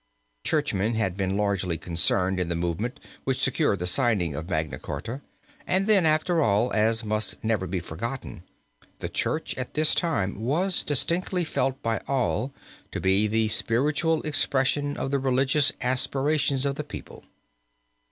Churchmen had been largely concerned in the movement which secured the signing of Magna Charta, and then after all, as must never be forgotten, the Church at this time was distinctly felt by all to be the spiritual expression of the religious aspirations of the people.